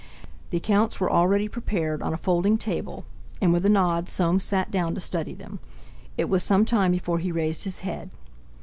The accounts were already prepared on a folding table, and with a nod Soames sat down to study them. It was some time before he raised his head.